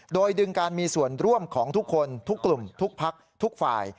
โดยดึงการมีส่วนร่วมของทุกคนทุกกลุ่มทุกพักทุกฝ่าย